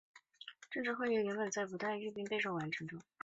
政协会议原本不在国民政府行宪的预备步骤中。